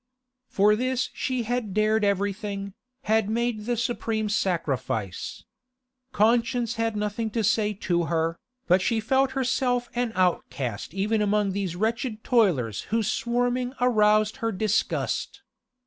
For this she had dared everything, had made the supreme sacrifice. Conscience had nothing to say to her, but she felt herself an outcast even among these wretched toilers whose swarming aroused her disgust.